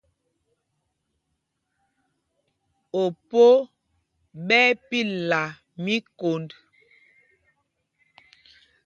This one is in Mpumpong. Opo ɓɛ́ ɛ́ pilla míkond.